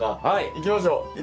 いきましょう。